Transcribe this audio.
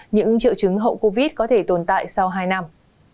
những triệu chứng hậu covid có thể tồn tại sau hai năm